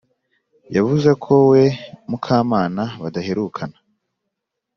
yavuze ko we mukamana badaherukana